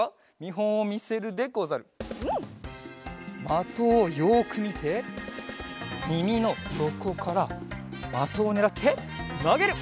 まとをよくみてみみのよこからまとをねらってなげる！